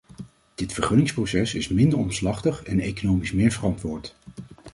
Dit vergunningsproces is minder omslachtig en economisch meer verantwoord.